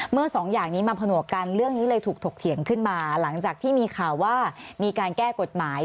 สองอย่างนี้มาผนวกกันเรื่องนี้เลยถูกถกเถียงขึ้นมาหลังจากที่มีข่าวว่ามีการแก้กฎหมาย